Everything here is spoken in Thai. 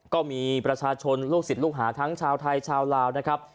ก็มีประชาชนลูกศิษย์ลูกหาทั้งชาวไทยชาวลาวนะครับ